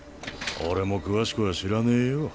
俺も詳しくは知らねぇよ。